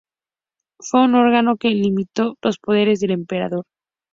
Fue un órgano que limitó los poderes del emperador.